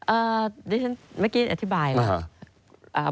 เอ่อดิฉันเมื่อกี้อธิบายแหละ